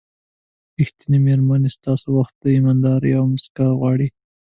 ریښتینې مېرمنې ستاسو وخت، ایمانداري او موسکا غواړي.